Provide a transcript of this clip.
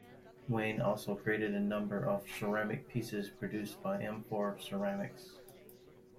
Wain also created a number of ceramic pieces produced by Amphora Ceramics.